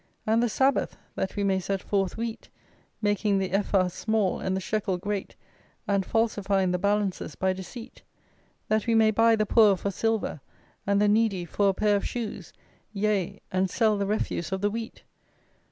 And the Sabbath, that we may set forth wheat, making the Ephah small and the Shekel great, and falsifying the balances by deceit; that we may buy the poor for silver, and the needy for a pair of shoes; yea, and sell the refuse of the wheat?